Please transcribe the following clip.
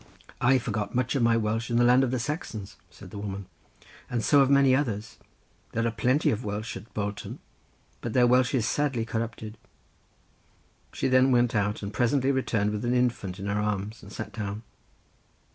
"I forgot much of my Welsh, in the land of the Saxons," said the woman, "and so have many others; there are plenty of Welsh at Bolton, but their Welsh is sadly corrupted." She then went out and presently returned with an infant in her arms and sat down.